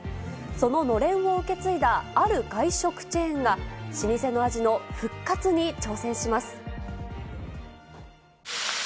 そののれんを受け継いだある外食チェーンが、老舗の味の復活に挑戦します。